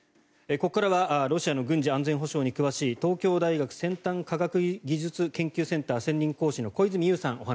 ここからはロシアの軍事・安全保障に詳しい東京大学先端科学技術研究センター専任講師の小泉悠さん